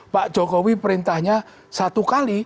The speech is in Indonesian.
pak jokowi perintahnya satu kali